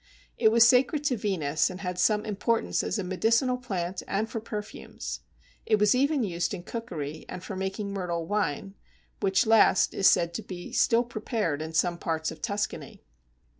It was sacred to Venus, and had some importance as a medicinal plant and for perfumes. It was even used in cookery and for making myrtle wine, which last is said to be still prepared in some parts of Tuscany.